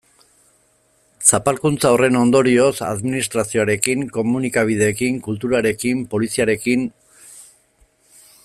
Zapalkuntza horren ondorioz, administrazioarekin, komunikabideekin, kulturarekin, poliziarekin...